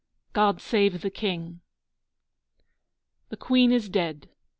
"God save the King!" The Queen is dead.